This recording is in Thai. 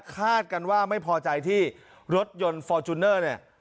กันว่าไม่พอใจที่รถยนต์ฟอร์จูเนอร์เนี่ย